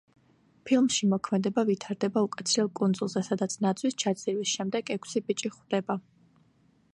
ფილმში მოქმედება ვითარდება უკაცრიელ კუნძულზე სადაც ნავის ჩაძირვის შემდეგ ექვსი ბიჭი ხვდება.